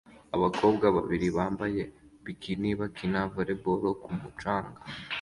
Abakobwa babiri bambaye bikini bakina volleyball ku mucanga